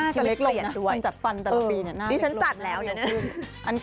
หน้าจะเล็กลงนะคนจัดฟันแต่ละปีเนี่ยหน้าจะเล็กลง